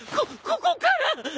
こここから！